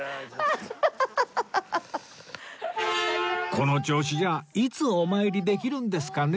この調子じゃいつお参りできるんですかね？